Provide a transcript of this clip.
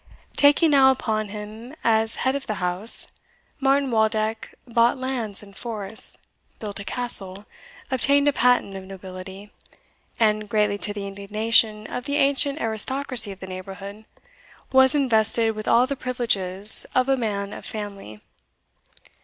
Taking now upon him as head of the house, Martin Waldeck bought lands and forests, built a castle, obtained a patent of nobility, and, greatly to the indignation of the ancient aristocracy of the neighbourhood, was invested with all the privileges of a man of family.